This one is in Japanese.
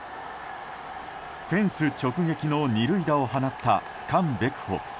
フェンス直撃の２塁打を放ったカン・ベクホ。